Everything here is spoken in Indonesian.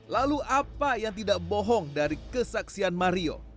lalu apa yang tidak bohong dari kesaksian mario